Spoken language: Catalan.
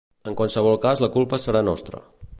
En qualsevol cas la culpa serà nostra.